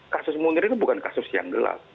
kasus munir itu bukan kasus yang gelap